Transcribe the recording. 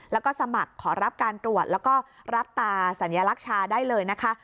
แล้วก็สมัครขอรับการตรวจแล้วก็รับตาสัญลักษณ์ชาได้เลยนะคะ